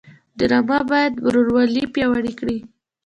ډرامه باید ورورولي پیاوړې کړي